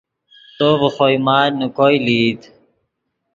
تو ڤے خوئے مال نے کوئے لئیت